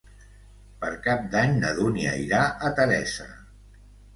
Per Cap d'Any na Dúnia irà a Teresa.